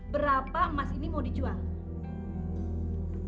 berapa emas ini mau dijual